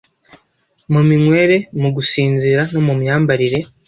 mu minywere, mu gusinzira, no mu myambarire